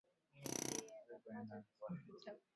Yeye atanipa chakula kizuri